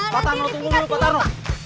pak tarno tunggu dulu pak tarno